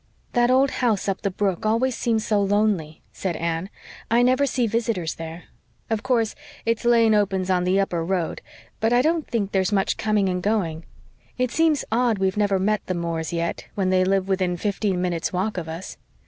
"That old house up the brook always seems so lonely," said Anne. "I never see visitors there. Of course, its lane opens on the upper road but I don't think there's much coming and going. It seems odd we've never met the Moores yet, when they live within fifteen minutes' walk of us.